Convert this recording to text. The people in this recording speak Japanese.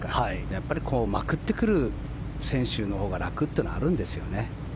やっぱりまくってくる選手のほうが楽というのはあるんですよね。